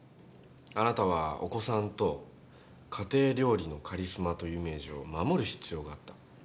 あなたはお子さんと家庭料理のカリスマというイメージを守る必要があった。